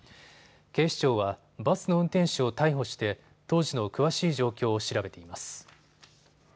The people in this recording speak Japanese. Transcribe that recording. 警視庁はバスの運転手を逮捕して当時の詳しい状況を調べています。